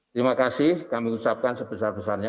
terima kasih kami ucapkan sebesar besarnya